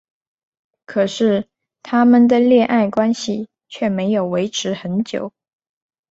可是他们的恋爱关系却没有维持很久。